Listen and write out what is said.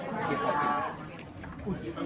ขอบคุณครับ